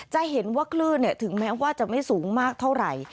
จะเห็นว่าคลื่นถึงแม้ว่าจะไม่สูงมากเท่าไหร่